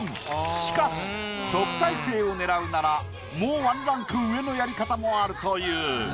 しかし特待生を狙うならもう１ランク上のやり方もあるという。